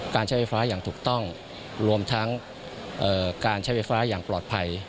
การใช้ไฟฟ้าอย่างถูกต้องรวมทั้งการใช้ไฟฟ้าอย่างปลอดภัย